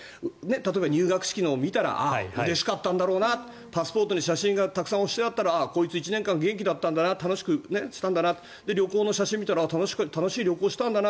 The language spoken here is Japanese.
例えば入学式のを見たらうれしかったんだろうなパスポートの写真がいっぱいあったらあ、こいつ１年間元気だったんだな旅行したんだなで、旅行の写真を見たら楽しい旅行したんだな